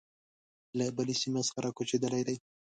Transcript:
له بلې سیمې څخه را کوچېدلي دي.